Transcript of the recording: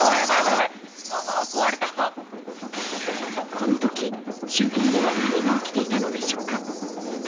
このとき、周辺では何が起きていたのでしょうか。